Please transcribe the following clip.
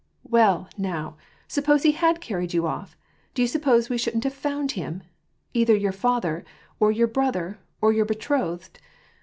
— Well, now, suppose he had carried you off, do you suppose we shouldn't have found him? Either your father, or your brother, or your betrothed